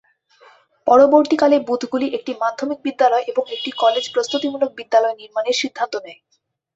পরবর্তীকালে বুথগুলি একটি মাধ্যমিক বিদ্যালয় এবং একটি কলেজ প্রস্ত্ততিমূলক বিদ্যালয় নির্মাণের সিদ্ধান্ত নেয়।